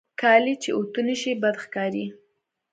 کالي چې اوتو نهشي، بد ښکاري.